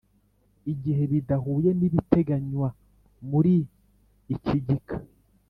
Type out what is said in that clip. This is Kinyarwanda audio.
igihe bidahuye n'ibiteganywa muri iki gika